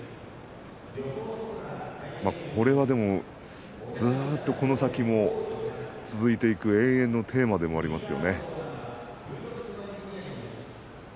これは、ずっとこの先も続いていく永遠のテーマでありますよね。